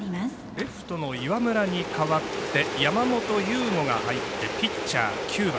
レフトの岩村に代わって山本由吾が入ってピッチャー、９番。